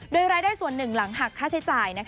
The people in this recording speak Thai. โดยรายได้ส่วนหนึ่งหลังหักค่าใช้จ่าย